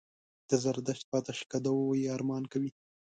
د زردشت په آتشکدو یې ارمان کوي.